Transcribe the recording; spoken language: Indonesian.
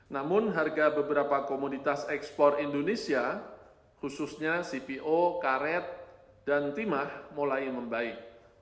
namun harga beberapa komoditas ekspor indonesia khususnya cpo karet dan timah mulai membaik